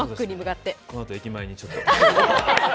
このあと、駅前にちょっと。